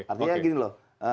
artinya gini loh